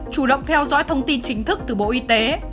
chủ động theo dõi thông tin chính thức từ bộ y tế